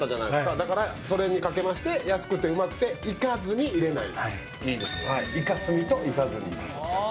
だからそれにかけまして安くてウマくてイカずにいられない店。